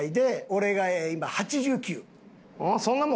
俺が今８９。